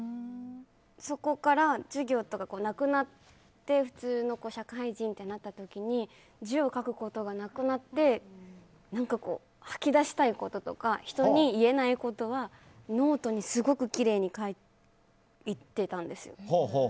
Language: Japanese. そこから授業とかなくなって普通の社会人となった時に字を書くことがなくなって何か吐き出したいこととか人に言えないことはノートにすごくきれいに書いてたんですよ。